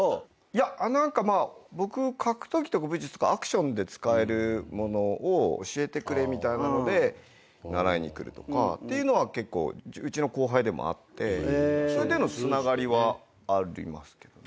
何かまあ僕格闘技とか武術とかアクションで使えるものを教えてくれみたいなので習いに来るとかっていうのは結構うちの後輩でもあってそれでのつながりはありますけどね。